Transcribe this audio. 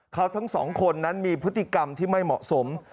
เขาทั้งสองคนนั้นมีพฤติกรรมที่ไม่เหมาะสม